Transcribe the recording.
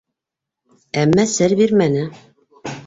Әммә сер бирмәне.